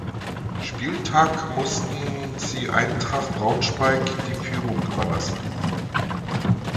Spieltag mussten sie Eintracht Braunschweig die Führung überlassen.